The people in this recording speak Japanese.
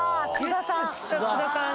津田さん！